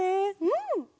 うん！